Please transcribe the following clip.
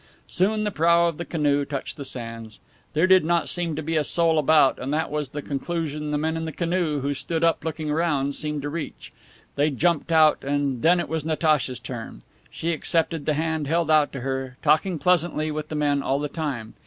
Soon the prow of the canoe touched the sands. There did not seem to be a soul about, and that was the conclusion the men in the canoe who stood up looking around, seemed to reach. They jumped out, and then it was Natacha's turn. She accepted the hand held out to her, talking pleasantly with the men all the time.